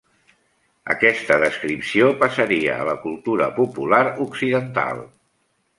Aquesta descripció passaria a la cultura popular occidental.